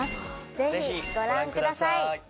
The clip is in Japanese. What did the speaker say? ぜひご覧ください。